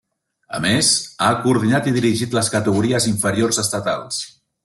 A més, ha coordinat i dirigit les categories inferiors estatals.